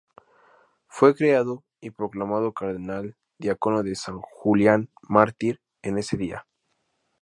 Fue creado y proclamado cardenal diácono de San Julián Mártir en ese día.